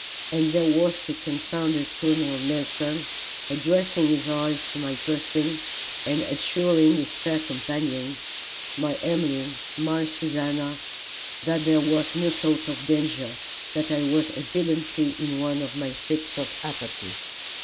And there was the confounded Col. Nelson addressing his eyes to my person, and assuring his fair companions, my Emmeline, my Susannah, that there was no sort of danger, that I was evidently in one of my fits of apathy.